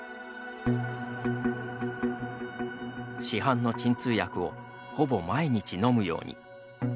市販の鎮痛薬をほぼ毎日のむように。